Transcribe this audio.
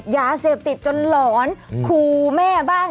ลูกอยู่กันแค่สองคนไม่มีใครดูแลเรา